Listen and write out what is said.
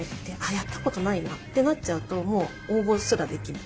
やったことないなってなっちゃうともう応募すらできない。